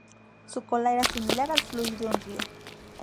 Su cola era similar al fluir de un río.